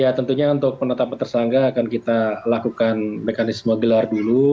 ya tentunya untuk penetapan tersangka akan kita lakukan mekanisme gelar dulu